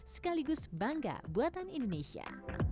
sekaligus bangga buatan indonesia